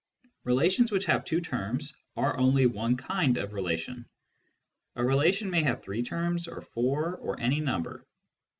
Relations which have two terms are only one kind of relations. A relation may have three terms, or four, or any number.